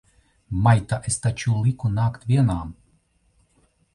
Maita! Es taču liku nākt vienam!